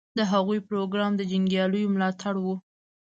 د هغوی پروګرام د جنګیالیو ملاتړ و.